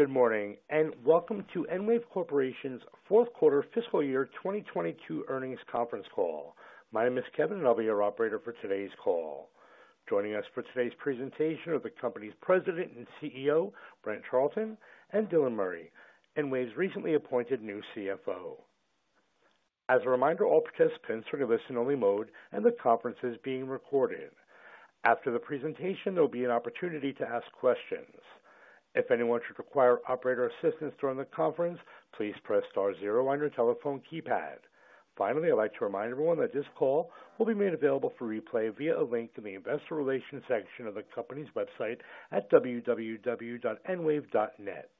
Good morning, welcome to EnWave Corporation's Fourth Quarter Fiscal Year 2022 Earnings Conference Call. My name is Kevin, and I'll be your operator for today's call. Joining us for today's presentation are the company's President and CEO, Brent Charleton, and Dylan Murray, EnWave's recently appointed new CFO. As a reminder, all participants are in a listen-only mode and the conference is being recorded. After the presentation, there'll be an opportunity to ask questions. If anyone should require operator assistance during the conference, please press star zero on your telephone keypad. Finally, I'd like to remind everyone that this call will be made available for replay via a link in the investor relations section of the company's website at www.enwave.net.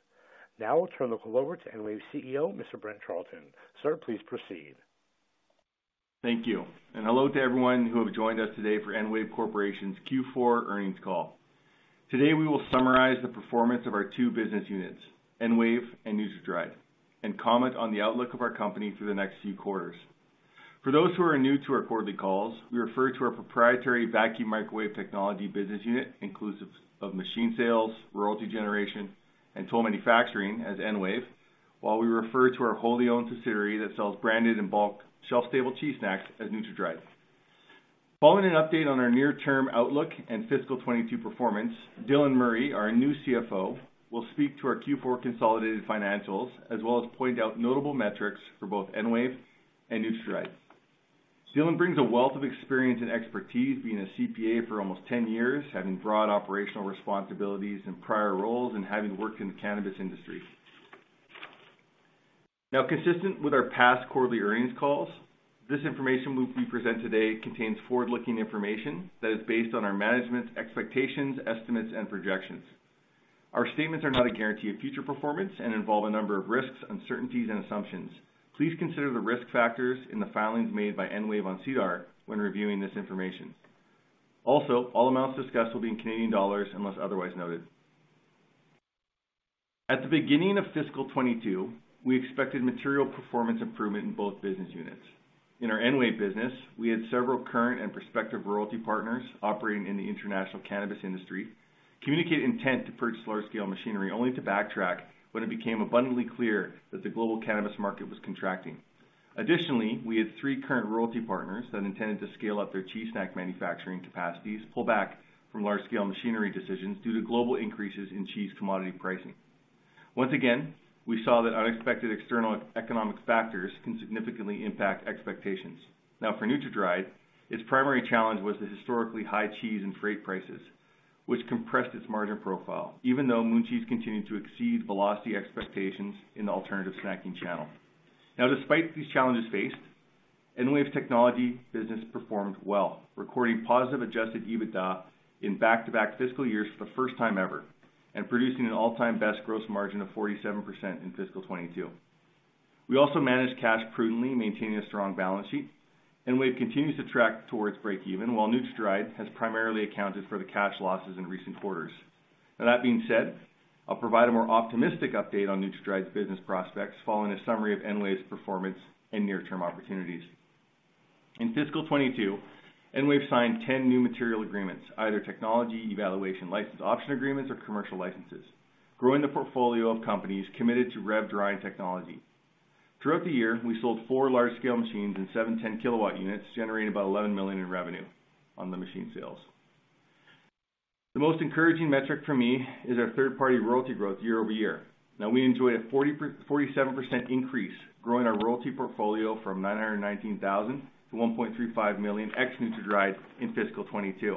Now I'll turn the call over to EnWave CEO, Mr. Brent Charleton. Sir, please proceed. Thank you. Hello to everyone who have joined us today for EnWave Corporation's Q4 earnings call. Today, we will summarize the performance of our two business units, EnWave and NutraDried, and comment on the outlook of our company through the next few quarters. For those who are new to our quarterly calls, we refer to our proprietary vacuum microwave technology business unit, inclusive of machine sales, royalty generation, and toll manufacturing as EnWave, while we refer to our wholly owned subsidiary that sells branded and bulk shelf-stable cheese snacks as NutraDried. Following an update on our near-term outlook and fiscal 2022 performance, Dylan Murray, our new CFO, will speak to our Q4 consolidated financials as well as point out notable metrics for both EnWave and NutraDried. Dylan brings a wealth of experience and expertise, being a CPA for almost 10 years, having broad operational responsibilities in prior roles and having worked in the cannabis industry. Now, consistent with our past quarterly earnings calls, this information we present today contains forward-looking information that is based on our management's expectations, estimates, and projections. Our statements are not a guarantee of future performance and involve a number of risks, uncertainties, and assumptions. Please consider the risk factors in the filings made by EnWave on SEDAR when reviewing this information. Also, all amounts discussed will be in Canadian dollars unless otherwise noted. At the beginning of fiscal 2022, we expected material performance improvement in both business units. In our EnWave business, we had several current and prospective royalty partners operating in the international cannabis industry communicate intent to purchase large-scale machinery only to backtrack when it became abundantly clear that the global cannabis market was contracting. We had three current royalty partners that intended to scale up their cheese snack manufacturing capacities pull back from large-scale machinery decisions due to global increases in cheese commodity pricing. For NutraDried, its primary challenge was the historically high cheese and freight prices, which compressed its margin profile, even though Moon Cheese continued to exceed velocity expectations in the alternative snacking channel. Despite these challenges faced, EnWave's technology business performed well, recording positive adjusted EBITDA in back-to-back fiscal years for the first time ever and producing an all-time best gross margin of 47% in fiscal 2022. We also managed cash prudently, maintaining a strong balance sheet. EnWave continues to track towards breakeven, while NutraDried has primarily accounted for the cash losses in recent quarters. That being said, I'll provide a more optimistic update on NutraDried's business prospects following a summary of EnWave's performance and near-term opportunities. In fiscal 2022, EnWave signed 10 new material agreements, either Technology Evaluation License Option Agreements or commercial licenses, growing the portfolio of companies committed to REV drying technology. Throughout the year, we sold four large-scale machines and seven 10kW units, generating about 11 million in revenue on the machine sales. The most encouraging metric for me is our third-party royalty growth year over year. Now we enjoy a 47% increase, growing our royalty portfolio from 919,000 to 1.35 million ex NutraDried in fiscal 2022.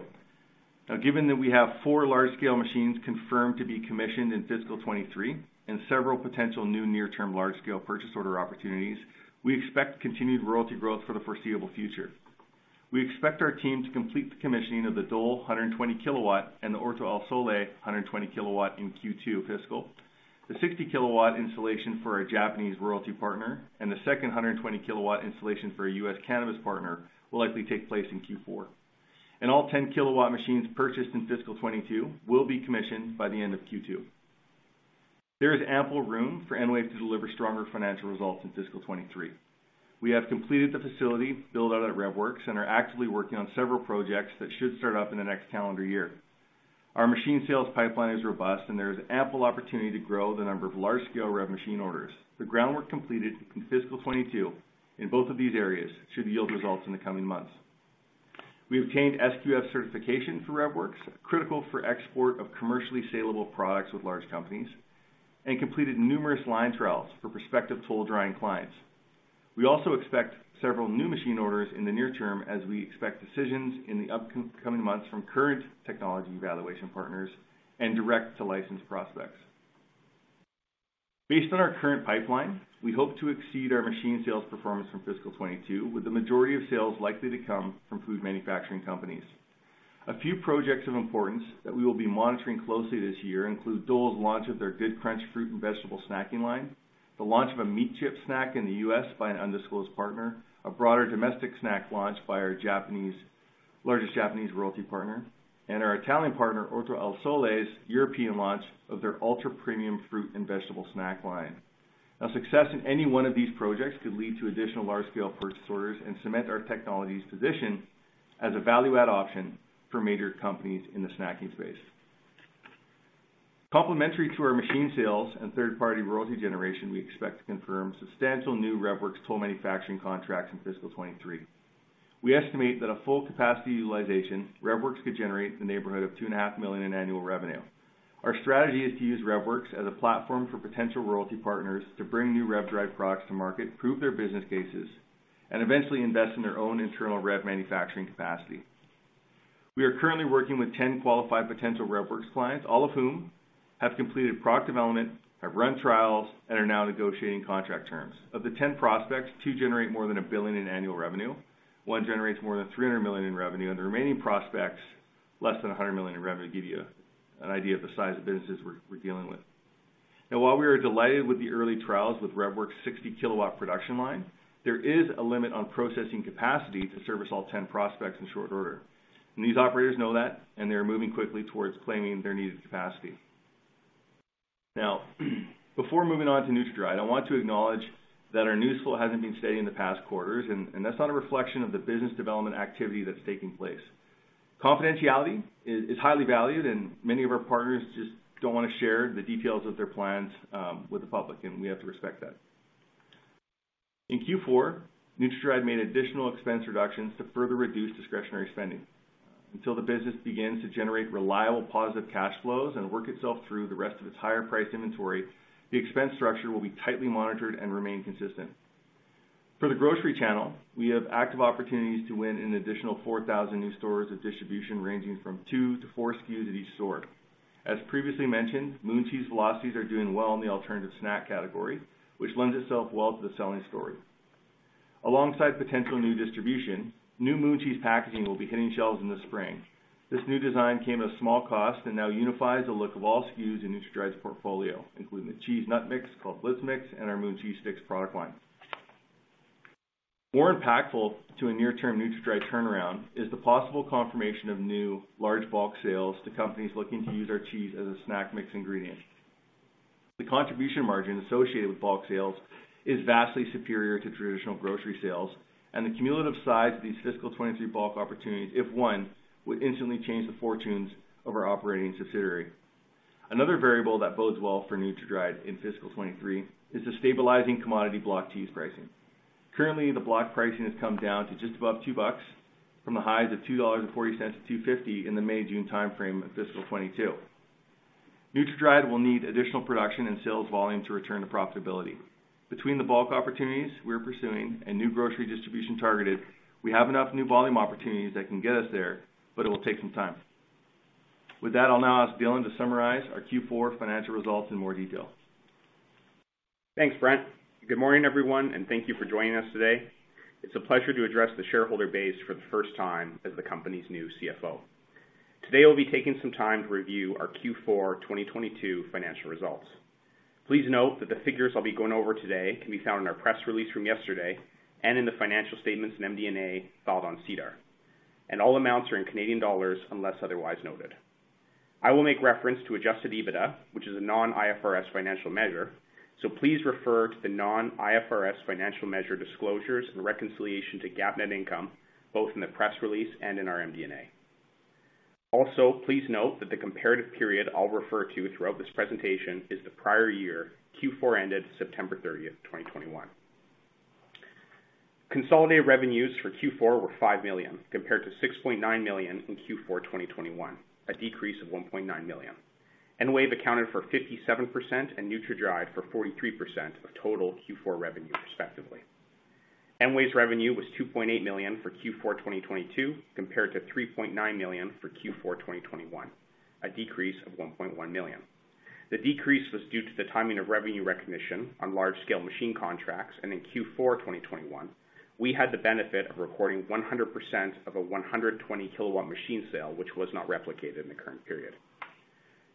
Given that we have four large-scale machines confirmed to be commissioned in fiscal 2023 and several potential new near-term large-scale purchase order opportunities, we expect continued royalty growth for the foreseeable future. We expect our team to complete the commissioning of the Dole 120kW and the Orto al Sole 120kW in Q2 fiscal. The 60kW installation for our Japanese royalty partner and the second 120kW installation for a U.S. cannabis partner will likely take place in Q4. All 10kW machines purchased in fiscal 2022 will be commissioned by the end of Q2. There is ample room for EnWave to deliver stronger financial results in fiscal 2023. We have completed the facility build-out at REVworx and are actively working on several projects that should start up in the next calendar year. Our machine sales pipeline is robust, and there is ample opportunity to grow the number of large-scale REV machine orders. The groundwork completed in fiscal 2022 in both of these areas should yield results in the coming months. We obtained SQF certification for REVworx, critical for export of commercially saleable products with large companies, and completed numerous line trials for prospective toll drying clients. We also expect several new machine orders in the near term as we expect decisions in the upcoming months from current technology evaluation partners and direct-to-license prospects. Based on our current pipeline, we hope to exceed our machine sales performance from fiscal 2022, with the majority of sales likely to come from food manufacturing companies. A few projects of importance that we will be monitoring closely this year include Dole's launch of their Good Crunch fruit and vegetable snacking line, the launch of a meat chip snack in the U.S. by an undisclosed partner, a broader domestic snack launch by our largest Japanese royalty partner, and our Italian partner, Orto Al Sole's European launch of their ultra-premium fruit and vegetable snack line. A success in any one of these projects could lead to additional large scale purchase orders and cement our technologies position as a value add option for major companies in the snacking space. Complementary to our machine sales and third party royalty generation, we expect to confirm substantial new REVworx toll manufacturing contracts in fiscal 2023. We estimate that a full capacity utilization, REVworx could generate the neighborhood of 2.5 million in annual revenue. Our strategy is to use REVworx as a platform for potential royalty partners to bring new REV drive products to market, prove their business cases, and eventually invest in their own internal REV manufacturing capacity. We are currently working with 10 qualified potential REVworx clients, all of whom have completed product development, have run trials, and are now negotiating contract terms. Of the 10 prospects, two generate more than 1 billion in annual revenue, one generates more than 300 million in revenue, the remaining prospects less than 100 million in revenue. To give you an idea of the size of businesses we're dealing with. While we are delighted with the early trials with REVworx 60kW production line, there is a limit on processing capacity to service all 10 prospects in short order. These operators know that, and they are moving quickly towards claiming their needed capacity. Before moving on to NutraDried, I want to acknowledge that our news flow hasn't been steady in the past quarters, and that's not a reflection of the business development activity that's taking place. Confidentiality is highly valued, and many of our partners just don't wanna share the details of their plans with the public, and we have to respect that. In Q4, NutraDried made additional expense reductions to further reduce discretionary spending. Until the business begins to generate reliable positive cash flows and work itself through the rest of its higher price inventory, the expense structure will be tightly monitored and remain consistent. For the grocery channel, we have active opportunities to win an additional 4,000 new stores of distribution, ranging from two-four SKUs at each store. As previously mentioned, Moon Cheese velocities are doing well in the alternative snack category, which lends itself well to the selling story. Alongside potential new distribution, new Moon Cheese packaging will be hitting shelves in the spring. This new design came at a small cost and now unifies the look of all SKUs in NutraDried's portfolio, including the cheese nut mix called Blitz Mix and our Moon Cheese Sticks product line. More impactful to a near-term NutraDried turnaround is the possible confirmation of new large bulk sales to companies looking to use our cheese as a snack mix ingredient. The contribution margin associated with bulk sales is vastly superior to traditional grocery sales. The cumulative size of these fiscal 2023 bulk opportunities, if one, would instantly change the fortunes of our operating subsidiary. Another variable that bodes well for NutraDried in fiscal 2023 is the stabilizing commodity block cheese pricing. Currently, the block pricing has come down to just above $2 from the highs of $2.40 to $2.50 in the May-June timeframe of fiscal 2022. NutraDried will need additional production and sales volume to return to profitability. Between the bulk opportunities we're pursuing and new grocery distribution targeted, we have enough new volume opportunities that can get us there, but it will take some time. With that, I'll now ask Dylan to summarize our Q4 financial results in more detail. Thanks, Brent. Good morning, everyone, thank you for joining us today. It's a pleasure to address the shareholder base for the first time as the company's new CFO. Today, we'll be taking some time to review our Q4 2022 financial results. Please note that the figures I'll be going over today can be found in our press release from yesterday and in the financial statements in MD&A filed on SEDAR. All amounts are in Canadian dollars unless otherwise noted. I will make reference to adjusted EBITDA, which is a non-IFRS financial measure. Please refer to the non-IFRS financial measure disclosures and reconciliation to GAAP net income, both in the press release and in our MD&A. Also, please note that the comparative period I'll refer to throughout this presentation is the prior year, Q4 ended September 30th, 2021. Consolidated revenues for Q4 were 5 million, compared to 6.9 million in Q4 2021, a decrease of 1.9 million. EnWave accounted for 57% and NutraDried for 43% of total Q4 revenue, respectively. EnWave's revenue was 2.8 million for Q4 2022, compared to 3.9 million for Q4 2021, a decrease of 1.1 million. The decrease was due to the timing of revenue recognition on large-scale machine contracts. In Q4 2021, we had the benefit of recording 100% of a 120kW machine sale, which was not replicated in the current period.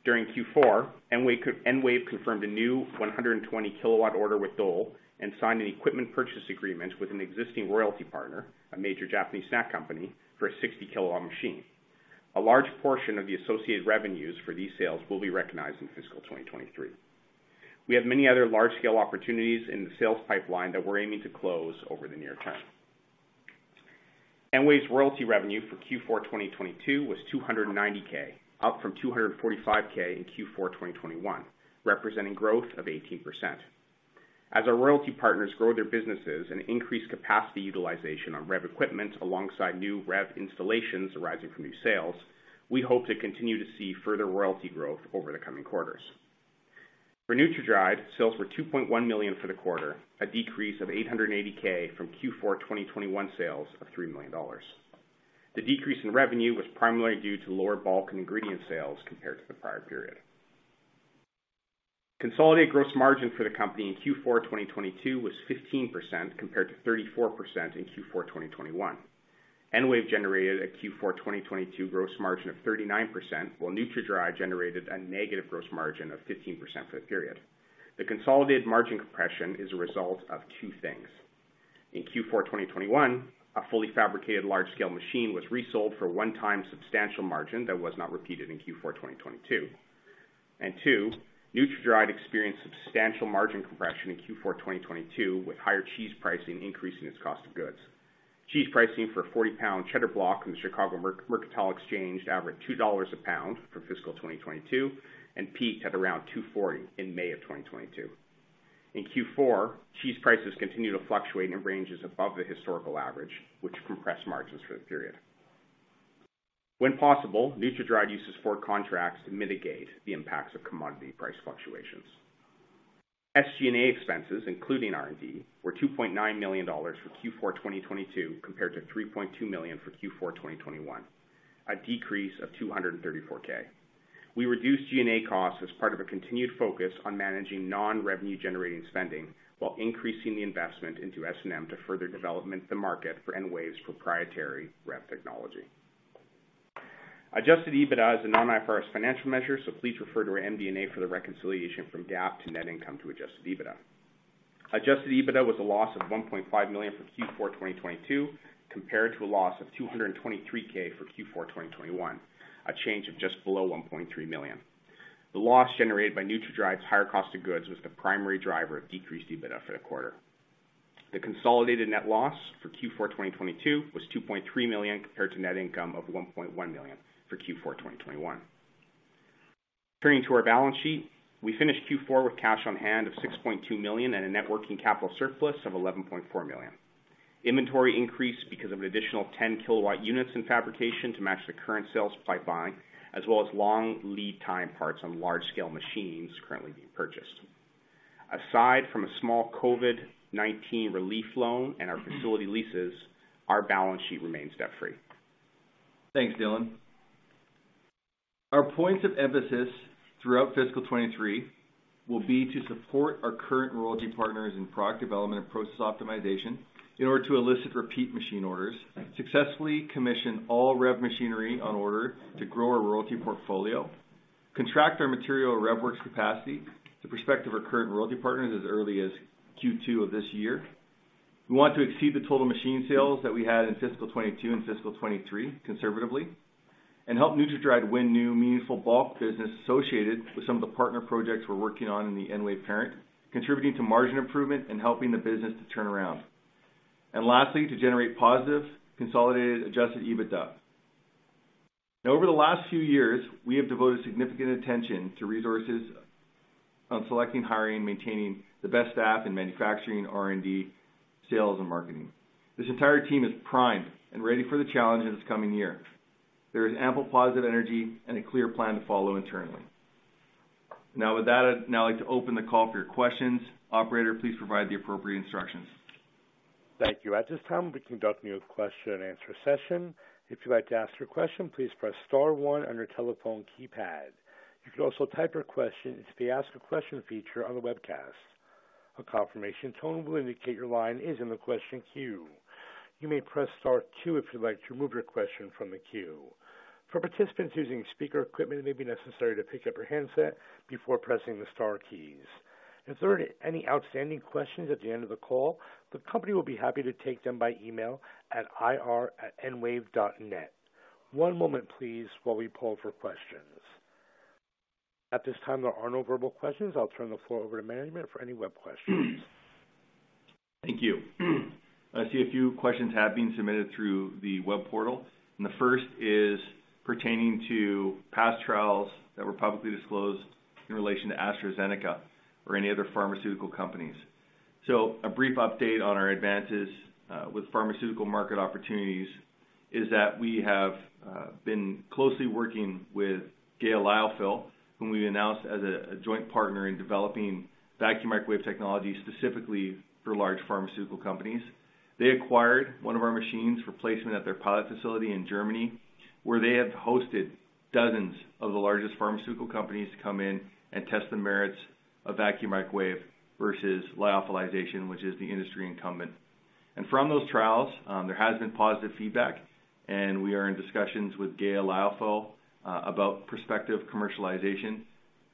During Q4, EnWave confirmed a new 120kW order with Dole and signed an equipment purchase agreement with an existing royalty partner, a major Japanese snack company, for a 60kW machine. A large portion of the associated revenues for these sales will be recognized in fiscal 2023. We have many other large-scale opportunities in the sales pipeline that we're aiming to close over the near term. EnWave's royalty revenue for Q4 2022 was 290K, up from 245K in Q4 2021, representing growth of 18%. As our royalty partners grow their businesses and increase capacity utilization on REV equipment alongside new REV installations arising from new sales, we hope to continue to see further royalty growth over the coming quarters. For NutraDried, sales were 2.1 million for the quarter, a decrease of 880K from Q4 2021 sales of 3 million dollars. The decrease in revenue was primarily due to lower bulk ingredient sales compared to the prior period. Consolidated gross margin for the company in Q4 2022 was 15% compared to 34% in Q4 2021. EnWave generated a Q4 2022 gross margin of 39%, while NutraDried generated a negative gross margin of 15% for the period. The consolidated margin compression is a result of two things. In Q4 2021, a fully fabricated large-scale machine was resold for one-time substantial margin that was not repeated in Q4 2022. Two, NutraDried had experienced substantial margin compression in Q4 2022, with higher cheese pricing increasing its cost of goods. Cheese pricing for a 40-pound cheddar block from the Chicago Mercantile Exchange averaged $2 a pound for fiscal 2022 and peaked at around $2.40 in May of 2022. In Q4, cheese prices continued to fluctuate in ranges above the historical average, which compressed margins for the period. When possible, NutraDried uses forward contracts to mitigate the impacts of commodity price fluctuations. SG&A expenses, including R&D, were 2.9 million dollars for Q4 2022 compared to 3.2 million for Q4 2021, a decrease of 234K. We reduced SG&A costs as part of a continued focus on managing non-revenue generating spending while increasing the investment into S&M to further development the market for EnWave's proprietary REV technology. Adjusted EBITDA is a non-IFRS financial measure, so please refer to our MD&A for the reconciliation from GAAP to net income to adjusted EBITDA. Adjusted EBITDA was a loss of 1.5 million for Q4 2022 compared to a loss of 223K for Q4 2021, a change of just below 1.3 million. The loss generated by NutraDried's higher cost of goods was the primary driver of decreased EBITDA for the quarter. The consolidated net loss for Q4 2022 was 2.3 million compared to net income of 1.1 million for Q4 2021. Turning to our balance sheet. We finished Q4 with cash on hand of 6.2 million and a net working capital surplus of 11.4 million. Inventory increased because of an additional 10kW units in fabrication to match the current sales pipeline, as well as long lead time parts on large-scale machines currently being purchased. Aside from a small COVID-19 relief loan and our facility leases, our balance sheet remains debt-free. Thanks, Dylan. Our points of emphasis throughout fiscal 2023 will be to support our current royalty partners in product development and process optimization in order to elicit repeat machine orders, successfully commission all REV machinery on order to grow our royalty portfolio, contract our material at REVworx capacity to prospective our current royalty partners as early as Q2 of this year. We want to exceed the total machine sales that we had in fiscal 2022 and fiscal 2023 conservatively, and help NutraDried win new meaningful bulk business associated with some of the partner projects we're working on in the EnWave parent, contributing to margin improvement and helping the business to turn around. Lastly, to generate positive consolidated adjusted EBITDA. Now, over the last few years, we have devoted significant attention to resources on selecting, hiring, maintaining the best staff in manufacturing, R&D, sales, and marketing. This entire team is primed and ready for the challenge in this coming year. There is ample positive energy and a clear plan to follow internally. With that, I'd now like to open the call for your questions. Operator, please provide the appropriate instructions. Thank you. At this time, we conduct me with question and answer session. If you'd like to ask your question, please press star one on your telephone keypad. You can also type your question into the Ask a Question feature on the webcast. A confirmation tone will indicate your line is in the question queue. You may press star two if you'd like to remove your question from the queue. For participants using speaker equipment, it may be necessary to pick up your handset before pressing the star keys. If there are any outstanding questions at the end of the call, the company will be happy to take them by email at ir@enwave.net. One moment, please, while we poll for questions. At this time, there are no verbal questions. I'll turn the floor over to management for any web questions. Thank you. I see a few questions have been submitted through the web portal, and the first is pertaining to past trials that were publicly disclosed in relation to AstraZeneca or any other pharmaceutical companies. A brief update on our advances with pharmaceutical market opportunities is that we have been closely working with GEA Lyophil, whom we announced as a joint partner in developing vacuum microwave technology specifically for large pharmaceutical companies. They acquired one of our machines for placement at their pilot facility in Germany, where they have hosted dozens of the largest pharmaceutical companies to come in and test the merits of vacuum microwave versus lyophilization, which is the industry incumbent. From those trials, there has been positive feedback, and we are in discussions with GEA Lyophil about prospective commercialization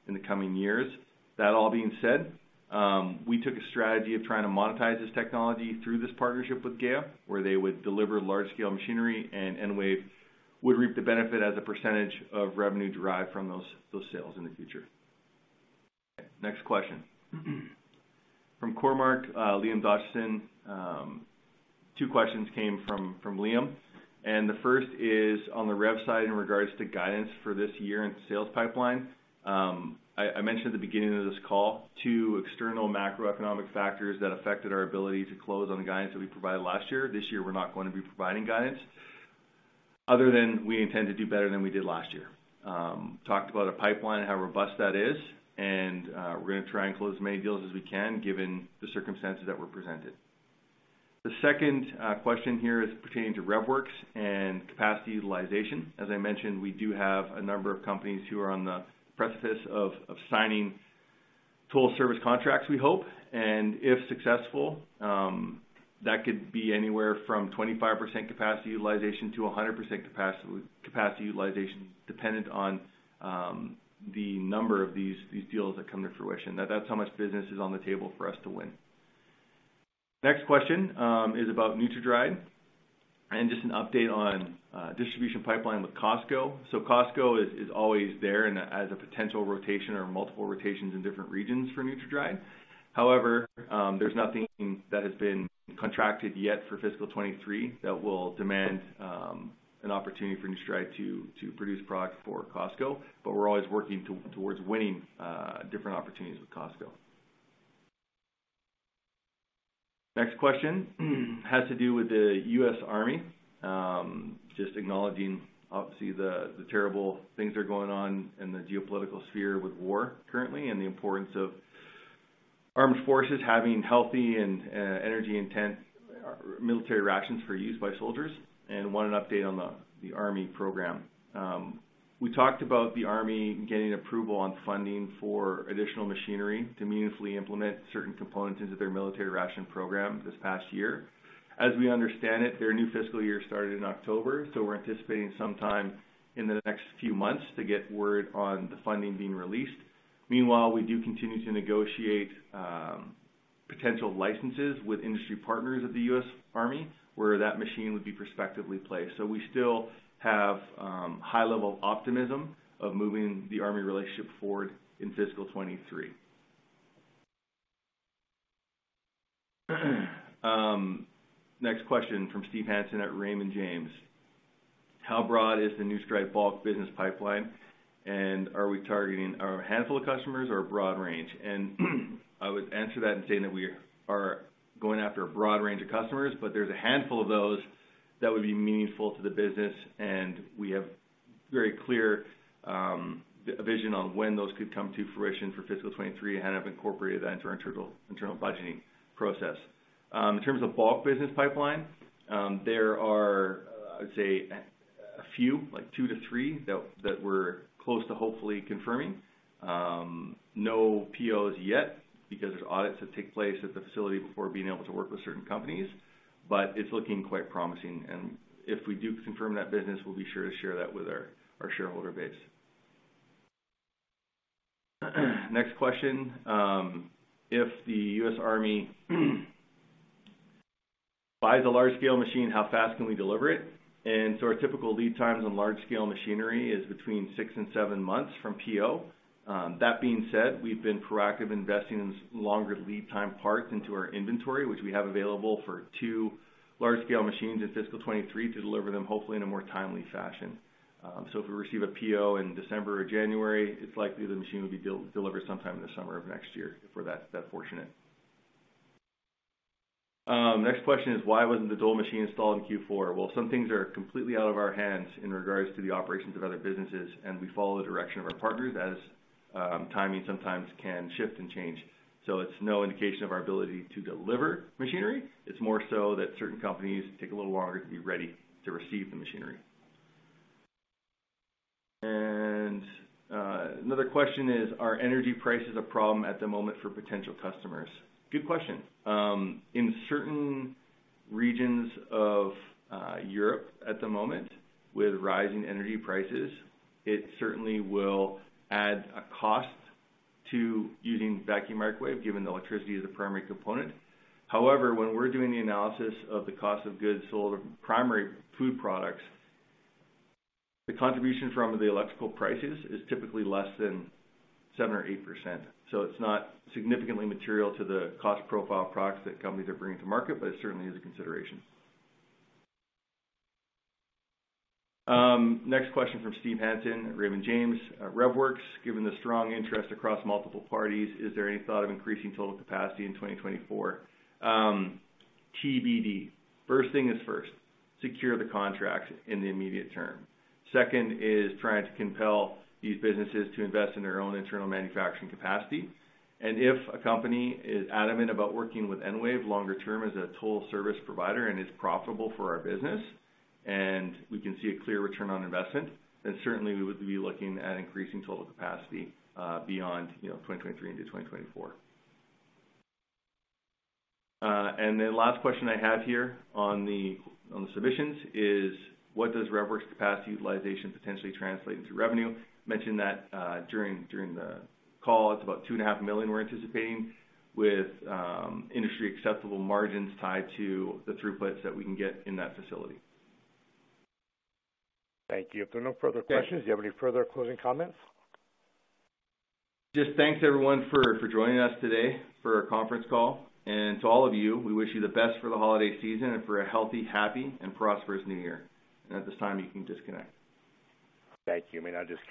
in the coming years. That all being said, we took a strategy of trying to monetize this technology through this partnership with GEA, where they would deliver large-scale machinery and EnWave would reap the benefit as a percentage of revenue derived from those sales in the future. Next question. From Cormark, Liam Dotchison. Two questions came from Liam. The first is on the REV side in regards to guidance for this year and sales pipeline. I mentioned at the beginning of this call two external macroeconomic factors that affected our ability to close on the guidance that we provided last year. This year, we're not gonna be providing guidance other than we intend to do better than we did last year. Talked about our pipeline and how robust that is, and we're gonna try and close as many deals as we can given the circumstances that were presented. The second question here is pertaining to REVworx and capacity utilization. As I mentioned, we do have a number of companies who are on the precipice of signing toll service contracts, we hope. If successful, that could be anywhere from 25% capacity utilization to 100% capacity utilization, dependent on the number of these deals that come to fruition. That's how much business is on the table for us to win. Next question is about NutraDried. Just an update on distribution pipeline with Costco. Costco is always there and as a potential rotation or multiple rotations in different regions for NutraDried. However, there's nothing that has been contracted yet for fiscal 2023 that will demand an opportunity for NutraDried to produce product for Costco. We're always working towards winning different opportunities with Costco. Next question has to do with the U.S. Army. Just acknowledging, obviously, the terrible things that are going on in the geopolitical sphere with war currently, and the importance of armed forces having healthy and energy-intense military rations for use by soldiers, and want an update on the Army program. We talked about the Army getting approval on funding for additional machinery to meaningfully implement certain components into their military ration program this past year. As we understand it, their new fiscal year started in October, so we're anticipating sometime in the next few months to get word on the funding being released. Meanwhile, we do continue to negotiate potential licenses with industry partners of the U.S. Army, where that machine would be prospectively placed. We still have a high level of optimism of moving the Army relationship forward in fiscal 2023. Next question from Steve Hansen at Raymond James. How broad is the NutraDried bulk business pipeline, are we targeting a handful of customers or a broad range? I would answer that in saying that we are going after a broad range of customers, but there's a handful of those that would be meaningful to the business, we have very clear vision on when those could come to fruition for fiscal 2023 and have incorporated that into our internal budgeting process. In terms of bulk business pipeline, there are, I would say a few, like two-three that we're close to hopefully confirming. No POs yet because there's audits that take place at the facility before being able to work with certain companies. It's looking quite promising, and if we do confirm that business, we'll be sure to share that with our shareholder base. Next question. If the US Army buys a large-scale machine, how fast can we deliver it? Our typical lead times on large-scale machinery is between six-seven months from PO. That being said, we've been proactive investing in longer lead time parts into our inventory, which we have available for two large-scale machines in fiscal 2023 to deliver them hopefully in a more timely fashion. If we receive a PO in December or January, it's likely the machine will be delivered sometime in the summer of next year for that fortunate. Next question is, why wasn't the Dole machine installed in Q4? Some things are completely out of our hands in regards to the operations of other businesses, and we follow the direction of our partners as timing sometimes can shift and change. It's no indication of our ability to deliver machinery. It's more so that certain companies take a little longer to be ready to receive the machinery. Another question is, are energy prices a problem at the moment for potential customers? Good question. In certain regions of Europe at the moment, with rising energy prices, it certainly will add a cost to using vacuum microwave, given that electricity is a primary component. However, when we're doing the analysis of the cost of goods sold of primary food products, the contribution from the electrical prices is typically less than 7% or 8%. It's not significantly material to the cost profile of products that companies are bringing to market, but it certainly is a consideration. Next question from Steve Hansen at Raymond James. REVworx, given the strong interest across multiple parties, is there any thought of increasing total capacity in 2024? TBD. First thing is first, secure the contracts in the immediate term. Second is trying to compel these businesses to invest in their own internal manufacturing capacity. If a company is adamant about working with EnWave longer term as a total service provider and is profitable for our business and we can see a clear return on investment, then certainly we would be looking at increasing total capacity, beyond, you know, 2023 into 2024. The last question I have here on the submissions is, what does REVworx capacity utilization potentially translate into revenue? Mentioned that during the call. It's about 2.5 million we're anticipating with industry acceptable margins tied to the throughputs that we can get in that facility. Thank you. If there are no further questions, do you have any further closing comments? Just thanks everyone for joining us today for our conference call. To all of you, we wish you the best for the holiday season and for a healthy, happy and prosperous new year. At this time, you can disconnect. Thank you. You may now disconnect.